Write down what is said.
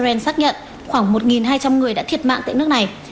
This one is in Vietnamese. israel xác nhận khoảng một hai trăm linh người đã thiệt mạng tại nước này